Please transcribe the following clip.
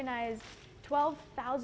avani adalah salah satu penguasa